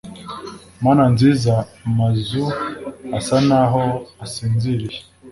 Mana nziza amazu asa naho asinziriye